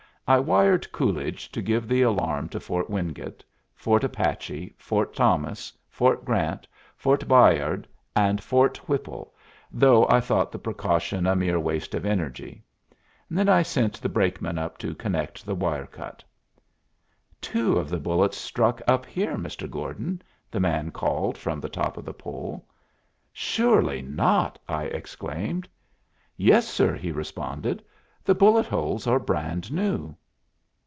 I wired Coolidge to give the alarm to Fort Wingate, Fort Apache, Fort Thomas, Fort Grant, Fort Bayard, and Fort Whipple, though I thought the precaution a mere waste of energy. Then I sent the brakeman up to connect the cut wire. "Two of the bullets struck up here, Mr. Gordon," the man called from the top of the pole. "Surely not!" I exclaimed. "Yes, sir," he responded. "The bullet holes are brand new."